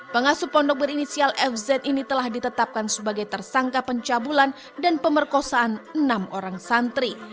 pengasuh pondok berinisial fz ini telah ditetapkan sebagai tersangka pencabulan dan pemerkosaan enam orang santri